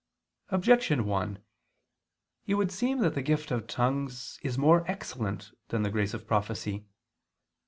Objection 1: It would seem that the gift of tongues is more excellent than the grace of prophecy.